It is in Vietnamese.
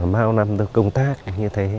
bao năm được công tác như thế